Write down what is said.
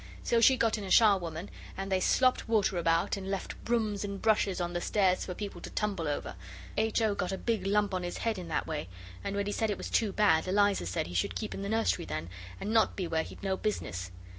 So she got in a charwoman, and they slopped water about, and left brooms and brushes on the stairs for people to tumble over. H. O. got a big bump on his head in that way, and when he said it was too bad, Eliza said he should keep in the nursery then, and not be where he'd no business.